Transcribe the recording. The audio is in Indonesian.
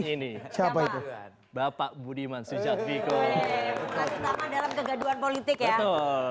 ini siapa itu bapak budiman sujarwiko dalam kegaduhan politik ya toh